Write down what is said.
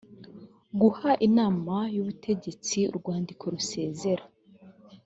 guha inama y’ ubutegetsi urwandiko rusezera